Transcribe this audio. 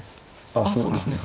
ああそうですね。